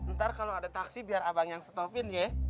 ntar kalau ada taksi biar abang yang stopin ya